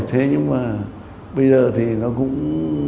thế nhưng mà bây giờ thì nó cũng